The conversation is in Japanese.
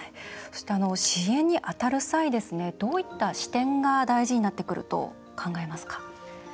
支援に当たる際にどういった視点が大事になってくると思いますか？